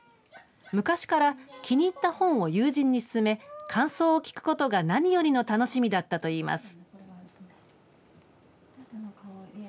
昔から気に入った本を友人に薦め、感想を聞くことが何よりの楽しみだったといいます。